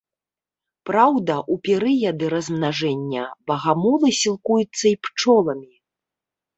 Праўда, у перыяды размнажэння багамолы сілкуюцца і пчоламі.